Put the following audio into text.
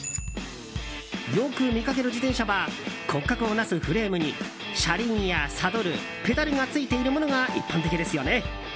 よく見かける自転車は骨格をなすフレームに車輪やサドル、ペダルがついているものが一般的ですよね。